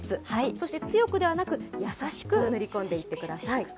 そして強くではなく、優しく塗り込んでいってください。